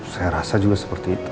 saya rasa juga seperti itu